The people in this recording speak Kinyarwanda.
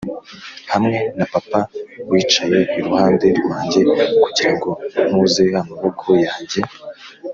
hamwe na papa wicaye iruhande rwanjye kugirango ntuze amaboko yanjye.